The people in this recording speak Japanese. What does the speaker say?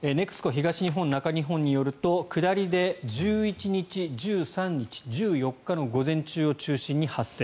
東日本・中日本によると下りで１１日、１３日、１４日の午前中を中心に発生。